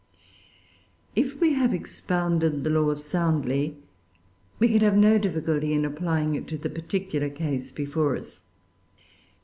If we have expounded the law soundly, we can have no difficulty in applying it to the particular case before us.